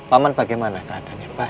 paman bagaimana keadaannya pak